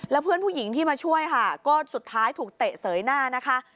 แล้วเพื่อนผู้หญิงที่มาช่วยค่ะก็สุดท้ายถูกเตะเสยหน้านะคะ